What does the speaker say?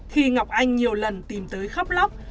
khi ngọc anh nhiều lần tìm tới khóc lóc